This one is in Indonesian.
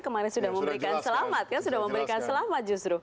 kemarin sudah memberikan selamat kan sudah memberikan selamat justru